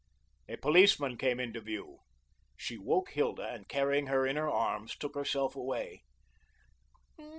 A policeman came into view. She woke Hilda, and carrying her in her arms, took herself away.